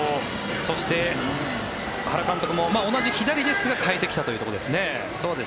そして、原監督も同じ左ですが代えてきたというところですね。